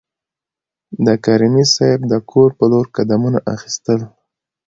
د کریمي صیب د کور په لور قدمونه اخیستل.